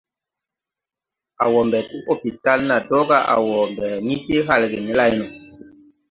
A wɔɔ ɓɛ ti lɔpital na dɔga a wɔ ɓɛ ni je halge ne lay no.